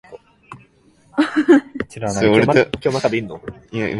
山梨県韮崎市